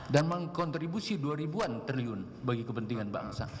dan mengkontribusi dua ribuan triliun bagi kepentingan bangsa